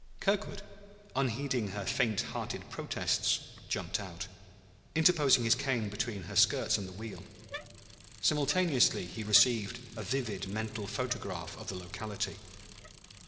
Kirkwood, unheeding her faint hearted protests, jumped out, interposing his cane between her skirts and the wheel. Simultaneously he received a vivid mental photograph of the locality.